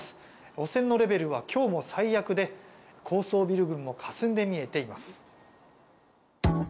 汚染のレベルは今日も最悪で高層ビル群もかすんで見えています。